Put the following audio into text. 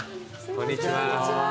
こんにちは。